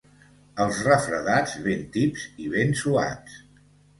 Els refredats, ben tips i ben suats.